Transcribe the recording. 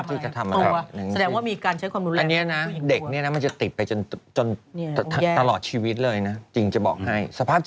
ผมว่านั่นมันเป็นหนอนอฟริกัน